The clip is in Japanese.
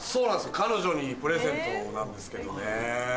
彼女にプレゼントなんですけどね。